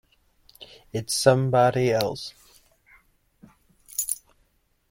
It's somebody else.